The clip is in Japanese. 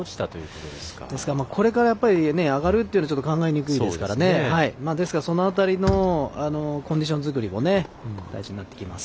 これから、上がるということは考えにくいですからですから、その辺りのコンディション作りも大事になってきます。